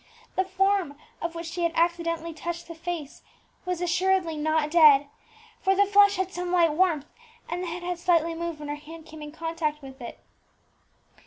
This form, of which she had accidentally touched the face, was assuredly not dead, for the flesh had some slight warmth, and the head had slightly moved when her hand came in contact with it.